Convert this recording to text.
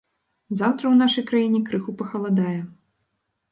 Заўтра ў нашай краіне крыху пахаладае.